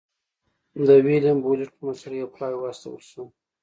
د ویلیم بولېټ په مشرۍ یو پلاوی واستول شو.